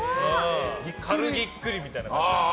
軽いぎっくりみたいな感じ。